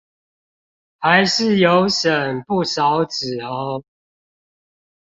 還是有省不少紙喔